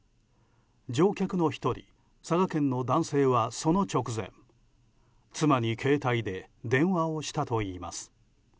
乗客の１人佐賀県の男性はその直前妻に携帯で電話をしたといいます。